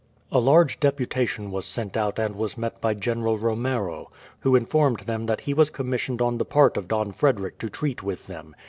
A large deputation was sent out and was met by General Romero, who informed them that he was commissioned on the part of Don Frederick to treat with them.